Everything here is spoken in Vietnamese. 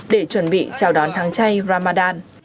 để chuẩn bị chào đón tháng chay ramadan